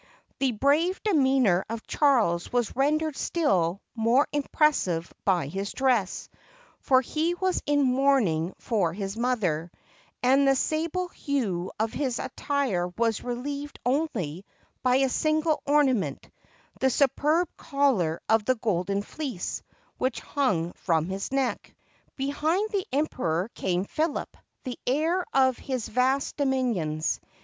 The brave demeanor of Charles was rendered still more im pressive by his dress; for he was in mourning for his mother; and the sable hue of his attire was reheved only by a single ornament, the superb collar of the Golden Fleece, which hung from his neck. Behind the Emperor came Philip, the heir of his vast dominions.